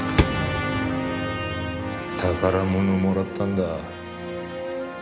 宝物をもらったんだ。